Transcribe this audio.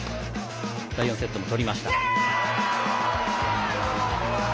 第４セットも取りました。